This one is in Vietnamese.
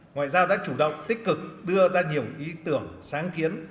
ngoại giao đã chủ động tích cực đưa ra nhiều ý tưởng sáng kiến